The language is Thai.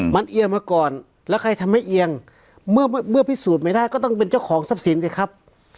มันเอียงมาก่อนแล้วใครทำให้เอียงเมื่อพิสูจน์ไม่ได้ก็ต้องเป็นเจ้าของทรัพย์สินสิครับ